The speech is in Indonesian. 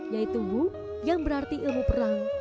yaitu wuk yang berarti ilmu perang